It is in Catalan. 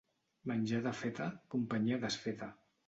Menjada feta, companyia desfeta.